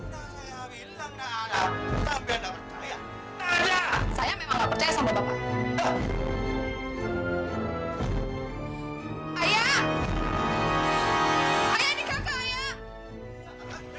kau tak percaya bilang ada anak